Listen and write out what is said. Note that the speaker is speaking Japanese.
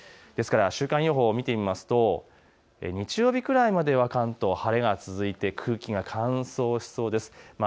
ですから週間予報、見てみますと日曜日くらいまでは関東、晴れが続いて空気が乾燥しそうです。